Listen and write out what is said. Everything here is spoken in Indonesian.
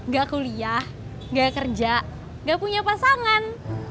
gak kuliah gak kerja gak punya pasangan